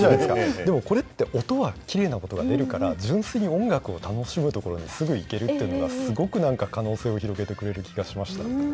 でもこれって、音が、きれいな音が出るから、純粋に音楽を楽しむところにすぐいけるっていうのが、すごくなんか、可能性を広げてくれる気がしましたよね。